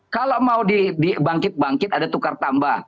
kalau mau dibangkit bangkit ada tukar tambah